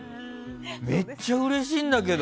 めっちゃうれしいんだけど。